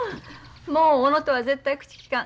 「もう小野とは絶対口きかん。